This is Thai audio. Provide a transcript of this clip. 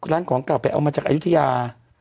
ร้านของเก่าไปเอามาจากอายุทยา